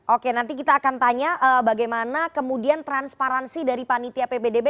oke nanti kita akan tanya bagaimana kemudian transparansi dari panitia ppdb